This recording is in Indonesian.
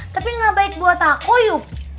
tapi gak baik buat aku yuk